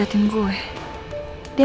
maksudnya aku harus sembunyikan diri